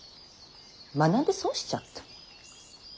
学んで損しちゃった。